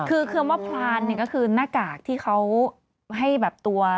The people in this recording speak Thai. คือคำว่าพลานเนี่ยก็คือหน้ากากที่เขาให้แบบตัว